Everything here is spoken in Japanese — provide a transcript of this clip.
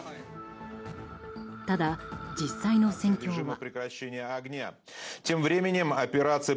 ただ、実際の戦況は。